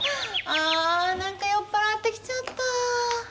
あ何か酔っ払ってきちゃった。